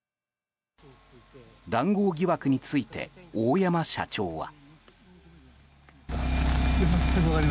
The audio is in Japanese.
談合疑惑について大山社長は。